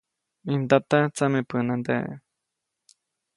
Mij mdata tsameʼpänandeʼe.